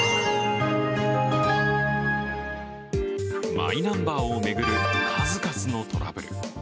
マイナンバーを巡る数々のトラブル。